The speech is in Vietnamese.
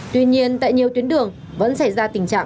tuy nhiên tại nhiều tuyến đường vẫn xảy ra tình trạng ủn tắc cục bộ